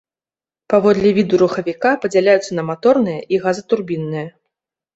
Паводле віду рухавіка падзяляюцца на маторныя і газатурбінныя.